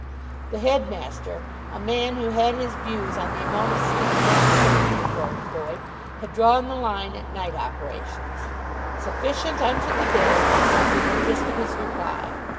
The headmaster, a man who had his views on the amount of sleep necessary for the growing boy, had drawn the line at night operations. "Sufficient unto the day" had been the gist of his reply.